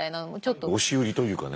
押し売りというかね。